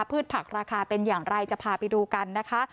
พืชผักราคาเป็นอย่างไรจะพาไปดูกันนะคะ